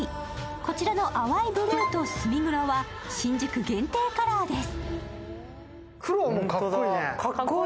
こちらの淡いブルーと墨黒は新宿限定カラーです。